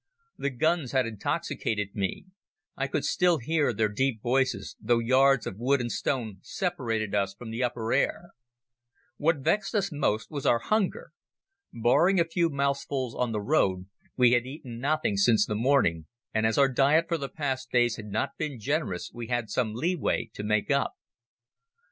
The guns had intoxicated me. I could still hear their deep voices, though yards of wood and stone separated us from the upper air. What vexed us most was our hunger. Barring a few mouthfuls on the road we had eaten nothing since the morning, and as our diet for the past days had not been generous we had some leeway to make up.